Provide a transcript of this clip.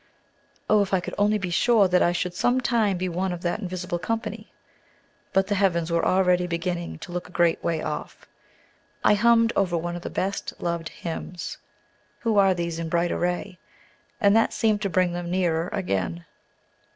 Oh, if I could only be sure that I should some time be one of that invisible company! But the heavens were already beginning to look a great way off. I hummed over one of my best loved hymns, "Who are these in bright array?" and that seemed to bring them nearer again.